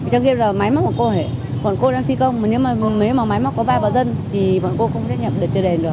trong khi đó là máy móc của bọn cô bọn cô đang phi công mà nếu mà máy móc có vai vào dân thì bọn cô cũng không thể nhập được tiền đền được